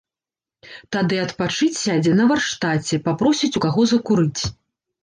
Тады адпачыць сядзе на варштаце, папросіць у каго закурыць.